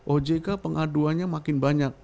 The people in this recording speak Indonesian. ojk pengaduannya makin banyak